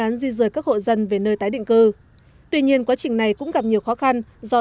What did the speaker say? án di rời các hộ dân về nơi tái định cư tuy nhiên quá trình này cũng gặp nhiều khó khăn do